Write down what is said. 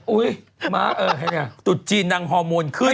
อุ๊ยมากตุ๊ดจีนนางฮอร์โมนขึ้น